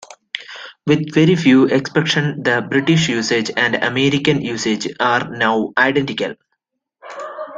With very few exceptions, the British usage and American usage are now identical.